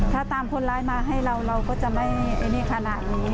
ถ้าตามคนร้ายมาให้เราเราก็จะไม่ไอ้นี่ขนาดนี้